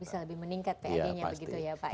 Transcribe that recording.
bisa lebih meningkat pad nya begitu ya pak ya